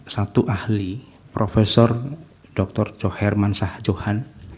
satu ahli prof dr joh herman sahjohan